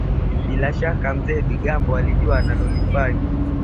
bila shaka Mzee Bigambo alijua analolifanya